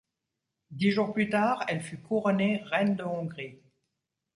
Dix jours plus tard, elle fut couronnée reine de Hongrie.